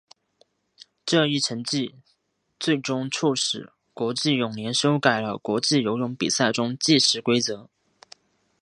这一成绩最终促使国际泳联修改了国际游泳比赛中的计时规则。